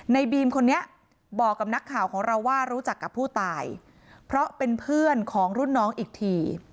ในบีมคนนี้บอกกับนักข่าวของเราว่ารู้จักกับผู้ตายเพราะเป็นเพื่อนของรุ่นน้องอีกที